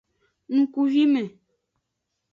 Ngkuvime.